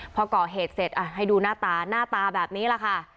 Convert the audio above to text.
พอก่อเหตุเสร็จให้ดูหน้าตาหน้าตาแบบนี้แหละค่ะ